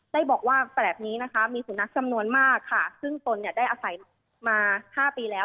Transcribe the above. ได้บอกว่าแปลกนี้นะคะมีสุนัขจำนวนมากค่ะซึ่งตนเนี่ยได้อาศัยมาห้าปีแล้ว